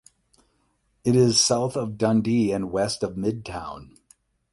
It is south of Dundee and west of Midtown.